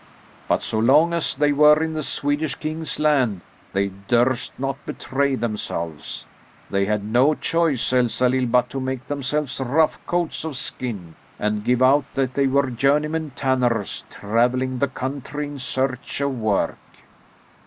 But so long as they were in the Swedish king's land they durst not betray themselves. They had no choice, Elsalill, but to make themselves rough coats of skin and give out that they were journeymen tanners travelling the country in search of work."